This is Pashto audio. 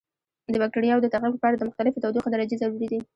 د بکټریاوو د تخریب لپاره مختلفې تودوخې درجې ضروري دي.